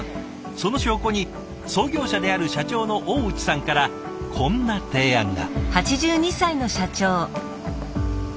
その証拠に創業者である社長の大内さんからこんな提案が。